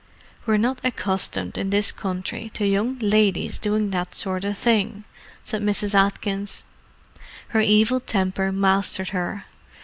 "We're not accustomed in this country to young ladies doing that sort of thing," said Mrs. Atkins. Her evil temper mastered her.